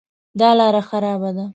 دا لاره خرابه ده